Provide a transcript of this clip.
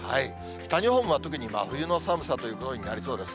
北日本は特に真冬の寒さということになりそうですね。